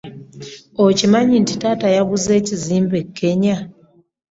Okimanyi nti taata yaguze ekizimbe e Kenya.